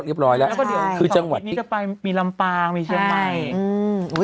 และเราก็จังหวัดนี้ก็ไปมีลำปลางมีเชียงใหม่